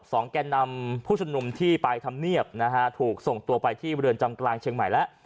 แก่นำผู้ชุมนุมที่ไปทำเนียบนะฮะถูกส่งตัวไปที่เรือนจำกลางเชียงใหม่แล้ว